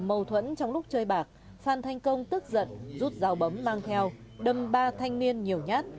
mâu thuẫn trong lúc chơi bạc phan thanh công tức giận rút dao bấm mang theo đâm ba thanh niên nhiều nhát